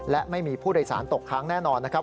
และไม่มีผู้โดยสารตกค้างแน่นอนนะครับ